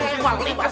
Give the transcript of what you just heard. hari ini pirang emas